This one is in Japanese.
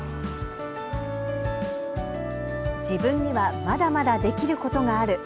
自分にはまだまだできることがある。